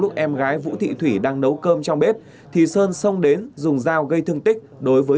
lúc em gái vũ thị thủy đang nấu cơm trong bếp thì sơn xông đến dùng dao gây thương tích đối với